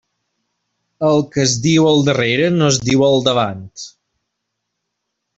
El que es diu al darrere no es diu al davant.